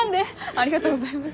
ありがとうございます。